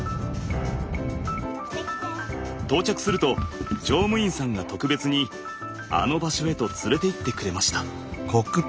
到着すると乗務員さんが特別に「あの場所」へと連れて行ってくれました。